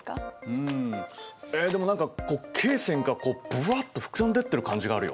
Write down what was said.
うんえっでも何かこう経線がブワッと膨らんでってる感じがあるよ。